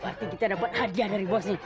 berarti kita dapat hadiah dari bos nih